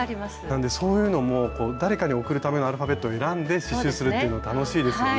そういうのも誰かに贈るためのアルファベットを選んで刺しゅうするっていうの楽しいですよね。